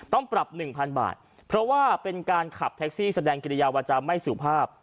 ปรับหนึ่งพันบาทเพราะว่าเป็นการขับแท็กซี่แสดงกิริยาวาจาไม่สุภาพ